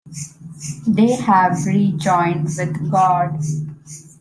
They have rejoined with God.